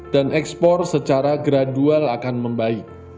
dan ekspor secara gradual akan membaik